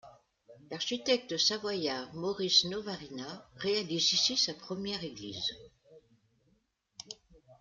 L’architecte savoyard Maurice Novarina réalise ici sa première église.